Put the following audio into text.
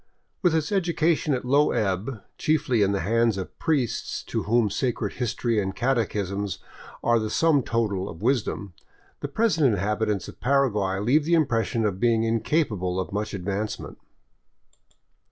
With its education at a low ebb, chiefly in the hands of priests to whom sacred history and catechisms are the sum total of wisdom, the present inhabitants of Paraguay leave the impression of being in capable of much advancement.